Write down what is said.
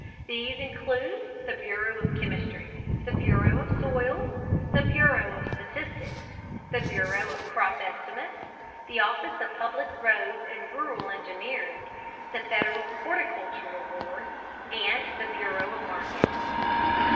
These include the bureau of chemistry, the bureau of soils, the bureau of statistics, the bureau of crop estimates, the office of public roads and rural engineering, the Federal horticultural board, and the bureau of markets.